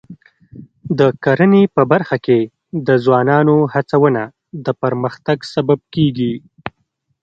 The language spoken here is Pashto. د کرنې په برخه کې د ځوانانو هڅونه د پرمختګ سبب کېږي.